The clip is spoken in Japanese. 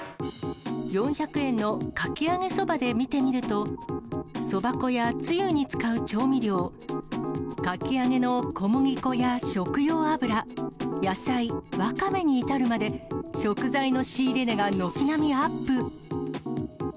４００円のかき揚げそばで見てみると、そば粉やつゆに使う調味料、かき揚げの小麦粉や食用油、野菜、わかめに至るまで、食材の仕入れ値が軒並みアップ。